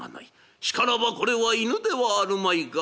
しからばこれは犬ではあるまいが」。